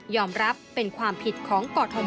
รับเป็นความผิดของกรทม